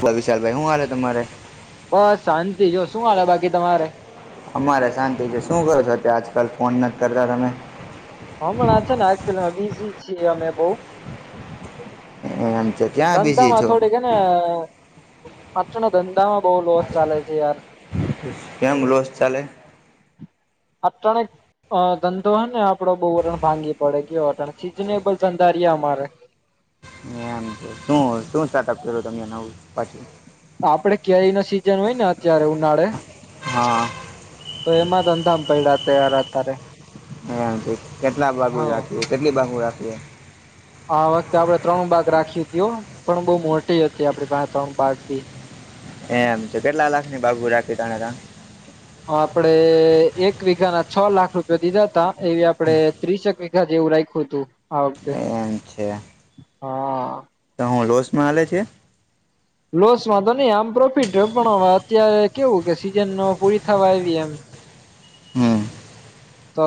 બોલો વિશાલભાઈ શું હાલે તમારે બસ શાંતિ જો શું હાલે બાકી તમારે. અમારે શાંતિ છે શું કરો છો આજકાલ ફોન નથી કરતા તમે. હમણા છે એક્યુઅલમાં બીજી છે અમે બહુ. એમ છે ક્યાં બિઝી ધધામાં છો થોડી હેને. પાછો ધંધામાં બહુ લોસ ચાલે છે યાર. કેમ લોસ ચાલે. આપટણે ધંધો હ ને આપડો બહુ ભાંગી પડે ગયો સીઝનેબલ ધંધા. અમારે. એમ છે શું શું સ્ટાર્ટઅપ કર્યું નવો પાછો. આપડે કેરી ન સિઝન હોય ને અત્યારે ઉનાળે. હા તો એમાં ધંધામ પડ્યા [unintelligible] અત્યારે. હમ કેટલા બાગુ હવ રાખું કેટલી બાગુ રાખીએ. આ વખતે આપડણે ત્રણ બાગ રાખી. પણ બહું મોટી હતી આપડી પાસે ત્રણ બાક બી. એમ તો કેટલા લાખ ની બાબુ રાખી તને ત? આપડે એક વીઘા ના છ લાખ રૂપયો દીધા હતા એવી આપડે ત્રીસેક વીઘા જે રાઈખયું હતું આ વખતે. એમ છે. હા. તો હું લોસમાં હાલે છે.? લોસમાં તો નહી આમ પ્રોફિટ પણ હવે અત્યારે કેવું કે સિઝન પૂરી થવા આવી એમ. હમ્મ. તો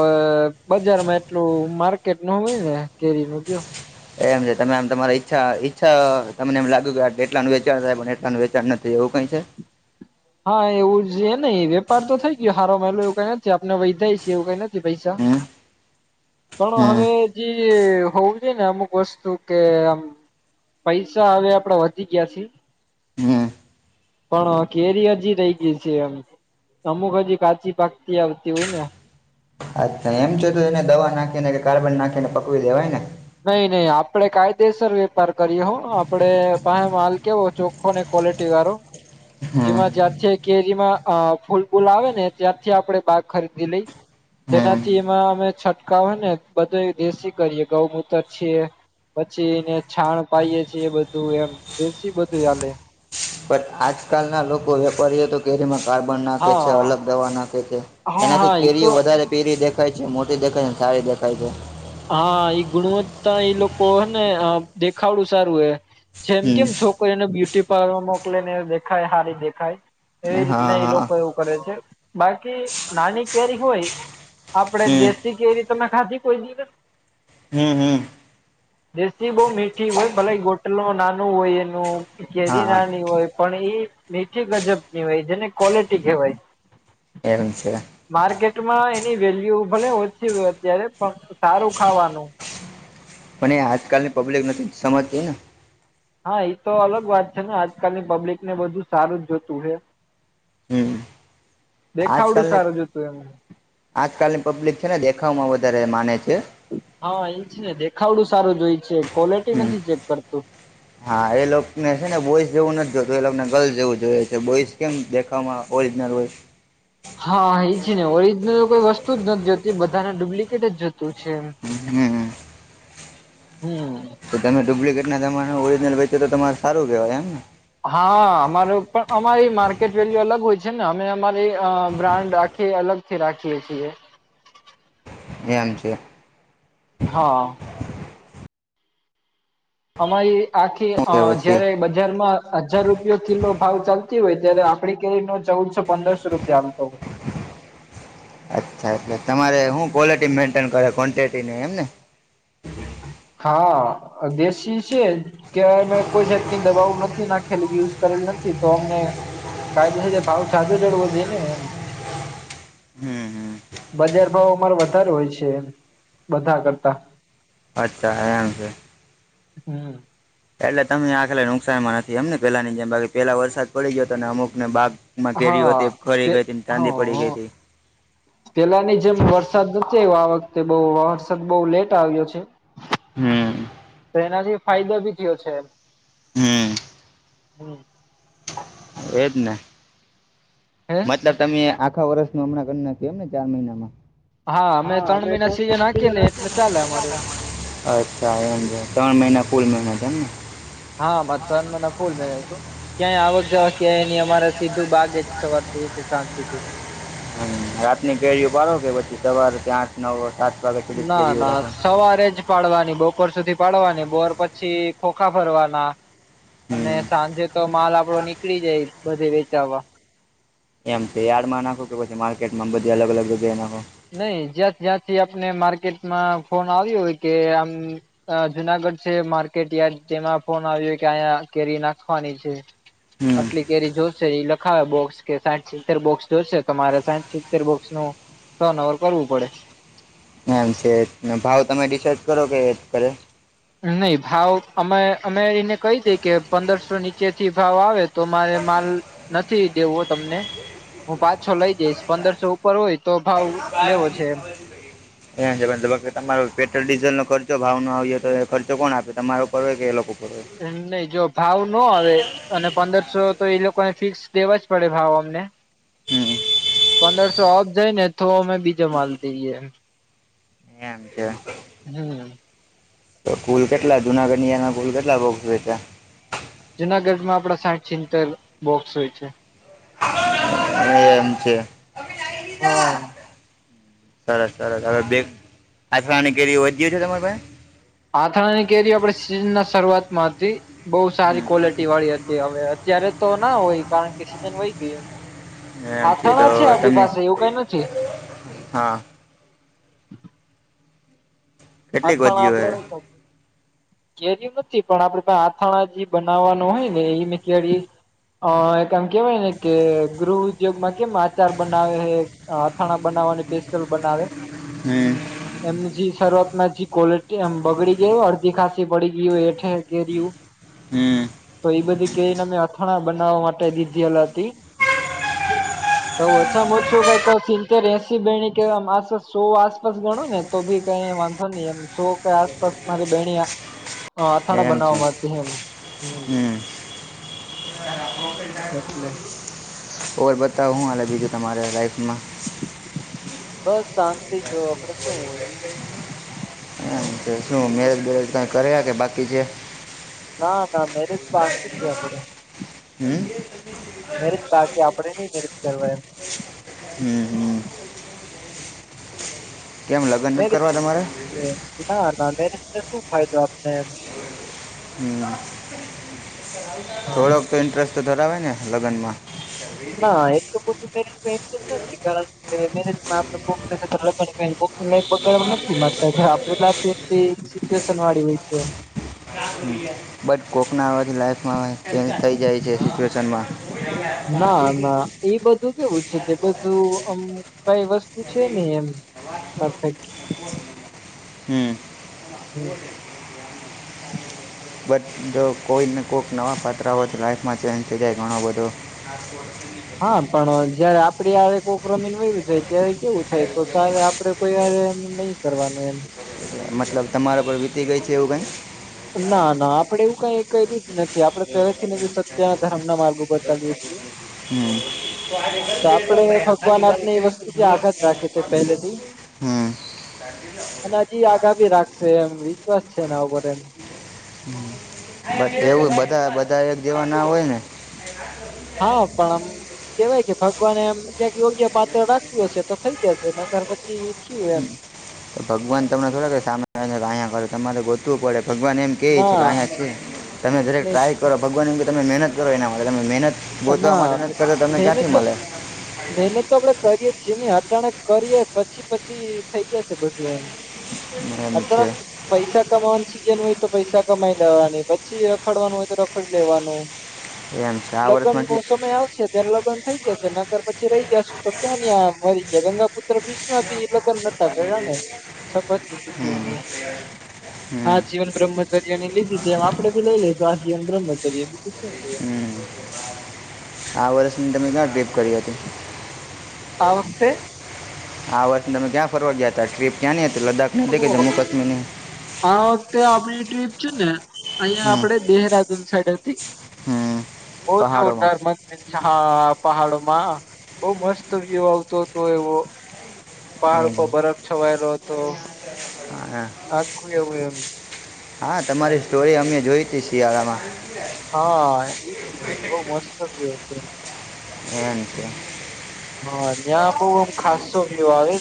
બજારમાં એટલું માર્કેટ ન હોય ને કેરી નું એમ છે તમેમ તમારી ઈચ્છા ઈચ્છા તમને એમ લાગ્યું કે એટલાનું વેચાણ થાય એટલાનું વેચાણ નથી એવું. [unintelligible] હા એવું જ નહી વેપાર તો થઈ ગયો સારોમાંલો એવું કઈ નથી આપણે વૈદાયી એવું કઈ નથી પૈસા. [unintelligible] પણ હમ હવે જે હોવું જો ને અમુક વસ્તુ કે આમ. પૈસા હવે આપડે વધી ગયા છી હમ પણ. કેરી હજી રહી ગઈ છે એમ અમુક હજી કાચી પાકતી આવતી હોય અચ્છા એમ છે તો એને દવા નાખીને કે કાર્બન નાખીને પકવી દેવાય ને. નહી નહી આપડે કાયદેસર વેપાર કરીએ હો આપડે પાસે માલ કેવો ચોખ્ખો ને. કોલેટી વાળો હમ જેમાં જાત છે. કેરીમાં અ ફૂલબૂલ આવે ને ત્યાારથી આપડણે બાગ ખરીદી લઈ. હમ જેનાથી એમાં અમે છંટકાવ હોય ને બધો દેશી કરીએ ગૌમૂત્ર છીએ. પછી એને છાણ પાાઈએ છેીએ બધું એમ બેસી બધું ચલે. પણ આજકાલ ના લોકો વેપારીઓ તો કેરીમાં. કાર્બન નાખે હા છે અલગ દવા નાખે છે હા હા એનાથી ઈ કેરીઓ તો વધારે પીરી દેખાય છે મોટી દેખાય છે. સારી દેખાય છે. હા ઈ ગુણવત્તાતા એઈ લોકો ને દેખાવડું સારું હ. જેમ હમ કેમ છોકરીને બ્યુટી પાર્લરમાં મોકલે ને દેખાય હારી દેખાય. હા એવી રીતના એ હા લોકો એવું કરે છે બાકી નાની કેરી હોય. આપડે હમ દેશી કેરી તમે ખાધી કોઈ દિવસ? હમ્મ હમ્મ દેશી બહુ મીઠી હોય ભલે ગોટલો નાનું હોય એનું કેરી હા નાની હોય. પણ એઈ મીઠી ગજબ ની હોય જેને ક્વલિટી કહેવાય. એમ છે. [unintelligible] વેલ્યુ ભલે ઓછી હોય અત્યારે પણ સારું ખાવાનું. પણ આજકાલ ની પબ્લિક નથી સમજતી ને. હા એ તો અલગ વાત છે ને આજકાલની પબ્લિક ને બધું સારું જ જોતું હ. હમ્મ. આજકાલની સારું જોતું એમ આજકાલની પબ્લિક છે ને દેખાવમાં વધારે માને છે. હા એ છે ને દેખાવડું સારું જોય છે. ક્વોલિટી હમ્મ નથી ચેક કરતું હા એ લોકોને છે ને બોઈ જેવું નથી. તો એ લગ્ને ગર્લ્સ જેવું જોઈએ છે બોઈસ કેમ દેખાવામાં ઓરિજનલ હોય. હા એ છે ને ઓરિજનલ કોઈ વસ્તુ જ નથી જતી બધાને ડુપ્લિકેટ જ જતું છે. હમ્મ. હમ્મ. તો તમે ડુપ્લિકેટ ના જમાના મા ઓરિજિનલ વચો તો તમારે સારું કેહેવાય એમ ને. હા અમારો પણ અમારી માર્કેટ વેલ્યુ અલગ હોય છે ને અમે અમારી બ્રાન્ડ અલગ થી રાખીએ છીએ. એમ છેે હા અમારી આખી શું અ કે પછી જયારે બજારમાં હજાર રૂપિયો કિલો ભાવ ચાલતી હોય ત્યારે આપડી કેરી નો ચૌદસો પંદરસો રૂપિયા આવતો હોય અચ્છા એટલે તમારે હુ ક્વોલિટી મેન્ટેન કરે કૉન્ટૅટી નહીં એમ ને [inaudible] હા દેશી છે કે અમે કોઈ જાતની દવાઓ નથી નાખેલી યુઝ કરેલ નથી તો અમને કાયદો છે ભાવ સાજો ચડવો જોઈ ને એમ હમ હમ બજાર ભાવ અમારે વધારે હોય છે બધા કરતા અચ્છા એમ છે હમ્મ એટલે તમને આખાલી નુકસાન માં એટલે તમે આખરે નુકસાનમાંનથી એમ ને પેલાની જેમ બાકી પેલા વરસાદ પડી ગયો તો ને અમુક ને બાપ હા તે હ પડી હ ગઈ હતી પેલા ની જેમ વરસાદ આ વખતે બહ વર્ષદ બહ લેટ આવ્યો છે હમ તો એનાથી ફાયદો બી થયો છે એમ હમ હમ એ જને હે મતલબ તમે આખા વર્ષ નું હમણાં ઘણીનાખ એમને ચાર મહિનામાં હા ત્રણ અમે મહિના સીઝન ત્રણી હાકેલી એટલે ચાલે અમારે અચ્છા એમ છે ત્રણ મહિના ફુલ મ મહિના છે એમને હા હા ત્રણ મહિના ફુલ મહિનો હતો ક્યાંય આવવા જવા ક્યાંય એની અમારે સીધું બાાગ જ સવાર થીથી સાંજ સુધી હમ રાતની કેરીઓ પાડો કે પછી સવારે ત્યાંઠ નવ વ ના ના સવારે જ પાડવાની બપોર સુધી પાડવાની બોર પછી ખોખા ફરવાના અને હમ સાંજે તો માલ આપડો નીકળી જાય બધે વેચાવા એમ તો યાર્ડ માં નાખો કે પછી માર્કેટ માં બધી અલગ અલગ જગ્યાએ નાખો નહી જ્યાં જ્યાંથી આપને માર્કેટમાં ફોન આવ્યો હોય કે આમ જુનાગઢ વચ્ચે માર્કેટ યાર્ડ જેમાં ફોન આવ્યો કે અહીયા કેરી નાખવાની છે હમ આટલી કેરી જોશ ઇ લખાવે બોક્સ કે સાઠ સિત્તેર બોક્સ જોશે તો મારે સાઠ સિત્તેર બોક્સ નું ટઅનોવેર કરવું પડે એમ છે ભાવ તમે ડિસાઈડ કરો કે એ જ કરે નહી ભાવ અમે અમે એને કહી દે કે પંદરસો નીચે થી ભાવ આવે તો મારે મારે નથી દેવો તમને હું પાંચસો લઈ જઈશ પંદરસો ઉપર હોય તો ભાવ લેવો છે એમ એ છે તમારો પેટ્રોલ ડીઝલ ન ખર્ચો ભાવ ન આવ્યો તો એ ખર્ચો કોણ આપે તમારો ઉપર હોય કે એ લોકો ઉપર હોય એમનહી જો ભાવ ન આવે અને પંદરસો તો એ લોકોને ફિક્સ દેવા જ પડે ભાવ અમને હમ પંદરસો અપ જાય ને તો અમે બીજો માલ દઈએ એમ છે હમ તો કુલ કેટલા જુના કનિયા ના કુલ કેટલા બોક્સ વેચા જુનાગઢમાં આપડા સાઠ સિંતર બોક્સ હોય છે એમ છે હા સરસ સરસ હવે બે અથાણાની કેરી વધી છે તમારી પાસે આથણાની કેરી આપે સીઝન ના શરૂઆતમાં હતી બહુ સારી પાસે ક્વલિટી વાળી હતી હવે જયારે તો ના હોય કારણ કે સિજન વય ગયું એમ તો હાથણા છે આપણી તમને પાસે એવું કઈ નથી હા હમ કેટલીક અથાણા વધ્યું પાપડ કેરી્યું નથી પણ આપડે આથાણા જે બનાવવાનું હોય ને એ મે કરી. અ એકમ કેવાય ને કે ગૃહ ઉદ્યોગમાં કેમ આચાર બનાવે છે અથાણા બનાવે બનાવાની પેસ્ટલ બનાવે. હમ એમજી સર્વત ક્વોલિટીમ બગડી ગય અડધી ખાંસી પડીી ગઇ હોય એઠ કેરીયુ હમ તો એ બધી કેરીને અમે અથાણા બનાવવા માટે દીધેલ હતી. [unintelligible] તો ઓછામાં ઓછું કઈ સીનતેર એસી બેણી કે સો આસપાસ ગણો ને તો ભી કઈ વાંધ અને એમ જો કઈ આસપાસ મારી બેણીયા હ, અથાણા એમ છે બનાવવામાંથી હમ હમ હ. [unintelligible] એટલે ઓ, બતાઉું હાલે તમારે બીજું લાઈફમાં? બસ, શાંતિ જો આપડે શું હોય? એ શું, મેરેજ-બેરજ કઈ કર્યા કે બાકી છે? હા, ના, મેરેજ બાકી જ છે આપડે. હમ. કે આપણે નહીં મેરેજ કરવા એમ. હમ, હમ. [unintelligible] કેમ લગ્ન મે નથી કરવા તમારે ના, ના, મે શું ફાયદો આપને એમ? હમ, એમ થોડોક તો ઇન્ટરેસ્ટ તો ધરાવે ને? લગ્નમાં ના એટલું બધું મે કારણ કે મેજમાં આપ કોક ને કો ઈ બગાડવા નથી માગતા. આપણી લાઈફ એટલી સીચ્યુએશન વાળી હોય છે. બટ કોકના લાઈફમાં ચેન્જ થઈ જાય છે સિચ્યુએશનમાં ના ના એ બધું કેવું કે બધું આમ કઈ વસ્તુ છે ને એમ પરફેક્ટ હમ હમ બટ જો કોઈને કોઈક નવા પાત્ર હોય તો લાઈફમાં ચેન્જ થઈ જાય ઘણો બધો. હા, પણ જયારે આપડી આ કોઈક રમીને વયુ જાય ત્યારે કેવું થાય? તો સ આપડે કોઈ એમ નહીં કરવાનું એમ મતલબ, તમારા પર વીતી ગઈ છે એવું કંઈ? ના, ના, આપડે એવું કઈ કર્યુ જ નથી. આપડે પહેલા થી સત્ય ના ધર્મ ના માર્ગ ઉપર ચાલીએ છીએ. તો આે તો આપડે ભગવાન ખાલી આપને ગ એ વસ્તુથી આઘાત [unintelligible] હમ. અનાજી આગા ભી રાખશે એમ વિશ્વાસ છે એના ઉપર એમ એવું બધા બધા એક જેવા ના હોય ને હા, પણ આમ કેવાય કે ભગવાને એમ ક્યાંક યોગ્ય પાત્ર રાખ્યું છે, તો થઈ જશે. નગર પછી થયું એમ. તો ભગવાન તમને થોડક સામે આવીને ક્યા કરે? તમારે ગોતવું પડે. ભગવાન એમ કેહે છે કે ના અહીંયા શ તમે દરેક ને ટ્રાય કરો. ભગવાન એમ કે તમે મહેનત કરો, એના માટે તમે મહેનત ગોતવા ના, માટે નથી કરતા તમને મહેનત ક્યાંથી તો મળે મહેનત તો આપડે કરીએ પછીની હટાણે કરીએ, પછી પછી થઈ જશે બધું એમ. એમ છે અઢળક પૈસા કમાવાનું છે. હોય તો પૈસા કમાઈ લેવાની, પછી રખડવાનું હોય તો રખડી લેવાનું. એમ છે આ લગ્ન વર્ષમાં નો કે સમય આવશે ત્યારે લગ્ન થઈ જ છે નગર પછી રહી જશું તો ક્યાં? કયા મરી ગયા ગયા? પુત્ર બીચમાં ભી લગ્ન નતા કર. [unintelligible] શપથ, હમ એ હા, હમ જીવન બ્રહમ લીધી એમ આપડે ભી લઈ લઈશું આજીવન બ્રહ્મચર્ય, બીજુ શું? હમ આ વર્ષની તમે ક્યાં ટ્રીપ કરી હતી. આ વખતે આ વતને તમે ક્યાં ફરવા ગયા હતા? ટ્રીપ ક્યાં ની હતી? લદ્દાખની હતી કે ઓ જમ્મુ કાશ્મીરની આ વખતે આપડી ટ્રીપ છે ને, અહિયાં હમ આપડે દેહરાદુન સાઈડ હતી. હમ ઓ પહાડોમાં જોરદાર મંદિર છે, હા. પહાડોમાં બહુ મસ્ત વ્યુ આવતો હતો એવો. પહાડ એમ. ઉપર બરફ છવાયેલો હતો હા આખું એવું એમ હા તમારી સ્ટોરી અમે જોઈ હતી શિયાળામાં હા એજ ને બહ મસ્ત થ ગયયો હતું હ કે હા ત્યાં બઉ આમ ખાસોયો આવે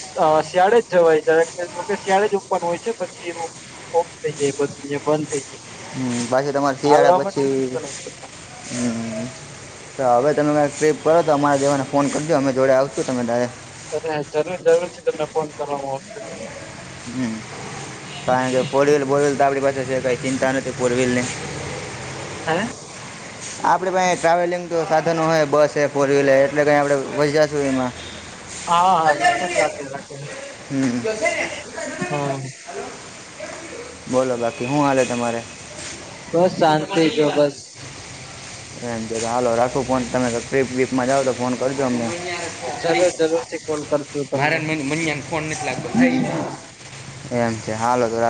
શિયાળે જવાય ત શિયાળે જ ઉપર હોય છે પછી ઓફ થઈ જાયી બંધ થઈ જાય હમ પાછી તમારે શિયાળા હાલવા માટે પછી રસ્તા નથી હોતા હમ હવે તમે ટ્ર્રીપ કરો તો અરા દેવાને ફોન કરજો અમે જોડે આવશું તમે ડાયરેક્ટ અરે જરૂર જરૂર છે તમને ફોન કરવાવામાં આવશે હમ કારણ કે ફૌરવહીલ બોરવીલઆપડી પાસે છે કઈ ચિંતા નથી ફોરવીલ હે આપડે પાહે ટ્રાવેલિંગ નુ સાધનો હોય બસ હે ફોર વ્હીલર હે એટલે કઈ આપણે [unintelligible] જોયે માં હા હા [unintelligible] હમ્મ હા બોલો, બાકી શું હાલે તમારે? બસ, શાંતિ જો બસ. એમ જો, તો હાલો રાખું ફોન. તમે ટ્રીપ વિપમાં જાઓ તો ફોન કરજો અમને. જરૂર જરૂરથી કોલ કરશું તમને માન મ એમ [inaudible] એમ છે હાલ.